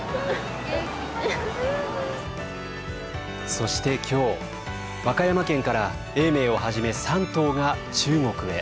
そして今日、和歌山県から永明をはじめ３頭が中国へ。